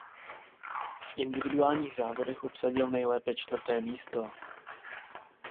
V individuálních závodech obsadil nejlépe čtvrté místo.